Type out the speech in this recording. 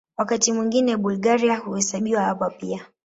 Wakati mwingine Bulgaria huhesabiwa hapa pia.